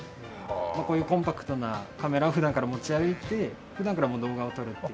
こういうコンパクトなカメラを普段から持ち歩いて普段からもう動画を撮るっていう。